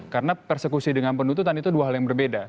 karena persekusi dengan penuntutan itu dua hal yang berbeda